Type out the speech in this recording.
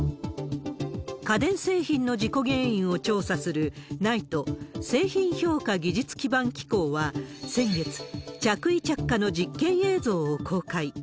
家電製品の事故原因を調査するＮＩＴＥ・製品評価技術基盤機構は先月、着衣着火の実験映像を公開。